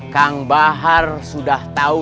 kang bahar sudah tau